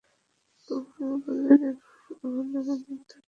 কুমু বললে, এখনো আমার মন তৈরি হয় নি।